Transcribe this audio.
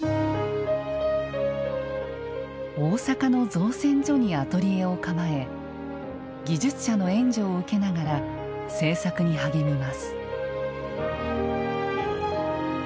大阪の造船所にアトリエを構え技術者の援助を受けながら制作に励みます。